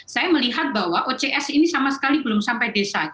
saya melihat bahwa ocs ini sama sekali belum sampai desa